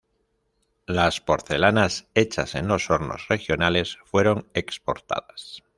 Las porcelanas hechas en los hornos regionales fueron exportadas.